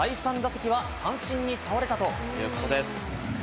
第３打席は三振に倒れたということです。